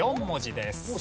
４文字です。